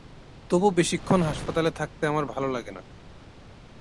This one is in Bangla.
তবু বেশিক্ষণ হাসপাতালে থাকতে আমার ভালো লাগে না।